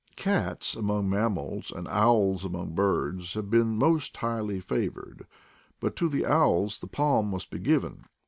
Cats amongst mammals, and owls amongst birds, have been most highly favored ; but to the owls the palm must be given.